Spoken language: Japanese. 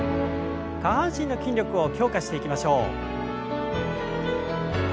下半身の筋力を強化していきましょう。